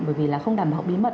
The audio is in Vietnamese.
bởi vì là không đảm bảo bí mật